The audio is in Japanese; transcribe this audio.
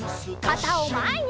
かたをまえに！